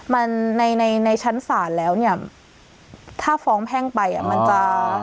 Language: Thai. มันในในชั้นศาลแล้วเนี่ยถ้าฟ้องแพ่งไปอ่ะมันจะ